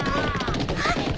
あっ！